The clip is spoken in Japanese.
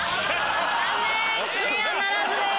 残念クリアならずです。